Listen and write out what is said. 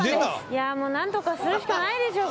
いやもう何とかするしかないでしょ。